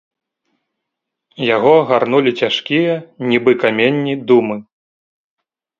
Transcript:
Яго агарнулі цяжкія, нібы каменні, думы.